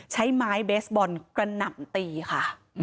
ใช้ไม้เบสบอลกระหน่ำตีค่ะ